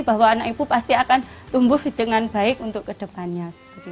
bahwa anak ibu pasti akan tumbuh dengan baik untuk kedepannya